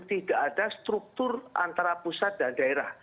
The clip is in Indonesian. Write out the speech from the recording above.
tidak ada struktur antara pusat dan daerah